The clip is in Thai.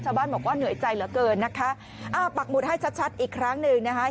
ชาวบ้านบอกว่าเหนื่อยใจเหลือเกินนะคะอ่าปักหมุดให้ชัดชัดอีกครั้งหนึ่งนะคะ